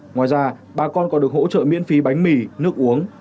ngoài ra bà con còn được hỗ trợ miễn phí bánh mì nước uống